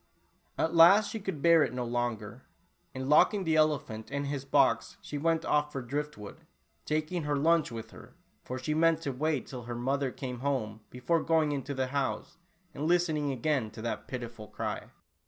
At last she could bear it no longer, and lock ing the elephant in his box, she went off for drift wood, taking her lunch with her, for she meant to w^ait till her mother came home before going into the house, and listening again to that pitiful cry.